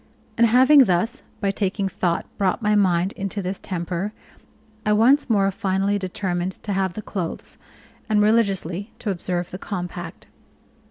And having thus, by taking thought, brought my mind into this temper, I once more finally determined to have the clothes, and religiously to observe the compact.